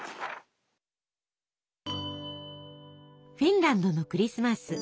フィンランドのクリスマス。